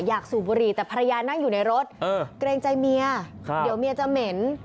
สูบบุหรี่แต่ภรรยานั่งอยู่ในรถเกรงใจเมียเดี๋ยวเมียจะเหม็น